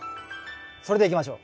それでいきましょう。